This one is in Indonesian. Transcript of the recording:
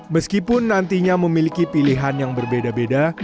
meskipun nantinya memiliki pilihan yang berbeda beda